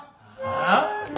ああ？